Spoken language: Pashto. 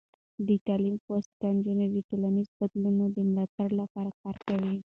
د تعلیم په واسطه، نجونې د ټولنیزو بدلونونو د ملاتړ لپاره کار کوي.